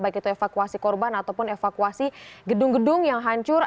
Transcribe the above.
baik itu evakuasi korban ataupun evakuasi gedung gedung yang hancur